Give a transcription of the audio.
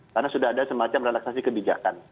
karena sudah ada semacam relaksasi kebijakan